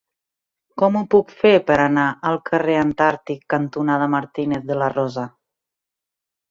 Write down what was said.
Com ho puc fer per anar al carrer Antàrtic cantonada Martínez de la Rosa?